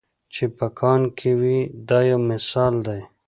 چې په کان کې وي دا یو مثال دی.